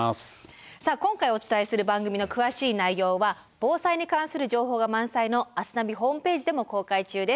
今回お伝えする番組の詳しい内容は防災に関する情報が満載の「明日ナビ」ホームページでも公開中です。